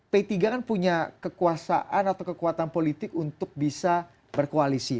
p tiga kan punya kekuasaan atau kekuatan politik untuk bisa berkoalisi